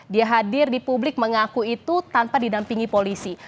dia hadir di publik mengaku itu tanpa didampingi polisi